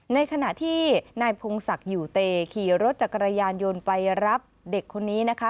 ในขณะที่นายพงศักดิ์อยู่เตขี่รถจักรยานยนต์ไปรับเด็กคนนี้นะคะ